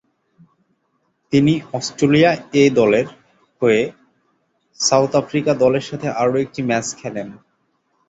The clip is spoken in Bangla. তিনি "অস্ট্রেলিয়া এ" দলের হয়ে সাউথ আফ্রিকা দলের সাথে আরও একটি ম্যাচ খেলেন।